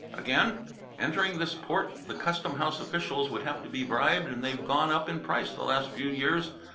Again, entering this port the custom house officials would have to be bribed, and they've gone up in price the last few years.